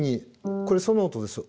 これソの音です。